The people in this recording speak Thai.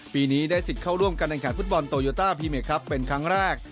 ปีนี้ได้สิทธิ์เข้าร่วมกันในการฟุตบอลโตโยตาพีเมอร์ครับเป็นครั้งแรก